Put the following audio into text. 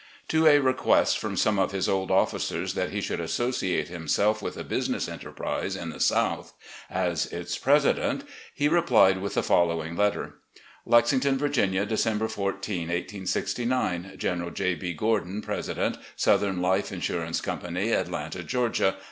To a request from some of his old officers that he should associate himself with a business enterprise in the South, as its president, he replied with the following letter: "Lexington, Virginia, December 14, 1869. "General J. B. Gordon, President, "Southern Life Insurance Company, "Atlanta, Georgia.